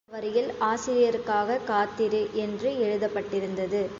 அடுத்த வரியில், ஆசிரியருக்காகக் காத்திரு என எழுதப்பட்டிருந்தது.